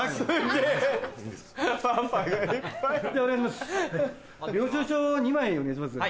でお願いします。